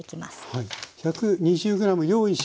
はい。